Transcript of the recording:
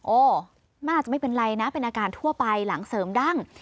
โอ้มันอาจจะไม่เป็นไรนะเป็นอาการทั่วไปหลังเสริมดั้ง